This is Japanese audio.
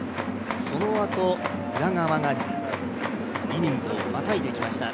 そのあと、宇田川が２イニングをまたいでいきました。